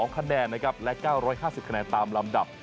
คะแนนนะครับและ๙๕๐คะแนนตามลำดับ